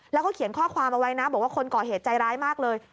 แล้วก็เขียนข้อความเอาไว้นะบอกว่าคนก่อเหตุใจร้ายมากเลย